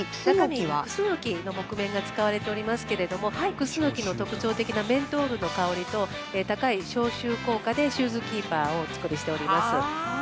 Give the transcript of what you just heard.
中身にクスノキの木毛が使われておりますけれどもクスノキの特徴的なメントールの香りと高い消臭効果でシューズキーパーをお作りしております。